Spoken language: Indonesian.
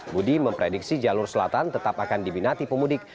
budi memprediksi jalur selatan tetap akan dibinati pemudik